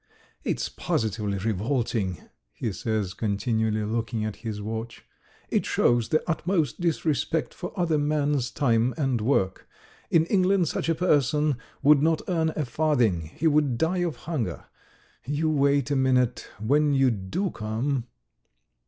"It's positively revolting," he says, continually looking at his watch. "It shows the utmost disrespect for another man's time and work. In England such a person would not earn a farthing, he would die of hunger. You wait a minute, when you do come